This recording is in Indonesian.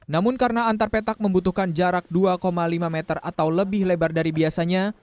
namun karena antar petak membutuhkan jarak dua lima meter atau lebih lebar dari biasanya